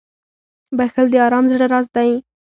• بښل د ارام زړه راز دی.